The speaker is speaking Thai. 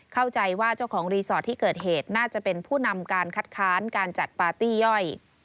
เข้าใจว่าเจ้าของรีสอร์ทที่เกิดเหตุน่าจะเป็นผู้นำการคัดค้านการจัดปาร์ตี้ย่อย